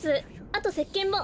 あとせっけんも。